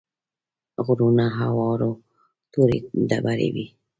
غرونه هوار وو تورې ډبرې وې.